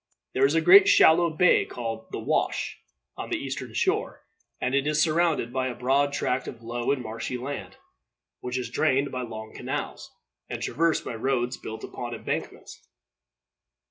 There is a great shallow bay, called The Wash, on this eastern shore, and it is surrounded by a broad tract of low and marshy land, which is drained by long canals, and traversed by roads built upon embankments.